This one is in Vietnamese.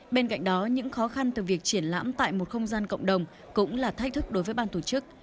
bên cạnh đó những khó khăn từ việc triển lãm tại một không gian cộng đồng cũng là thách thức đối với ban tổ chức